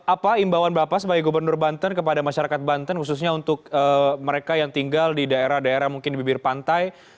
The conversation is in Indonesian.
apa imbauan bapak sebagai gubernur banten kepada masyarakat banten khususnya untuk mereka yang tinggal di daerah daerah mungkin di bibir pantai